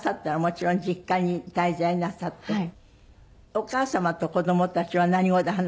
お母様と子供たちは何語で話す？